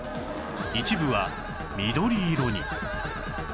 一部は緑色に